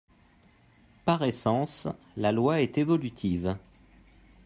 Par essence, la loi est évolutive.